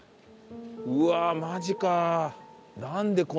うわっマジか。